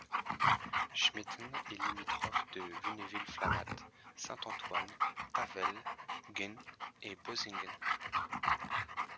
Schmitten est limitrophe de Wünnewil-Flamatt, Saint-Antoine, Tavel, Guin et Bösingen.